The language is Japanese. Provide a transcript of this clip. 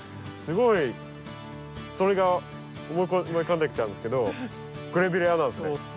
すごいそれが思い浮かんできたんですけどグレビレアなんですね？